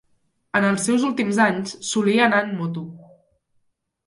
En els seus últims anys solia anar en moto